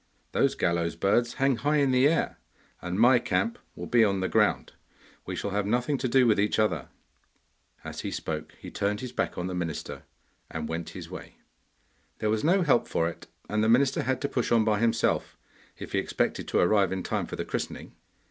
'Those gallows birds hang high in the air, and my camp will be on the ground; we shall have nothing to do with each other.' As he spoke, he turned his back on the minister, and went his way. There was no help for it, and the minister had to push on by himself, if he expected to arrive in time for the christening.